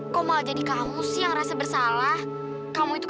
kita mau ke kampung